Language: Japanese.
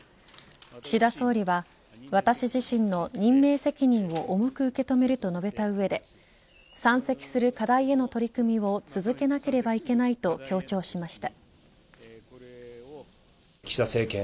岸田総理は私自身の任命責任を重く受け止めると述べた上で山積する課題への取り組みを続けなければいけないと強調しました。